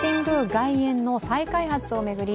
外苑の再開発を巡り